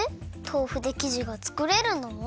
とうふできじがつくれるの？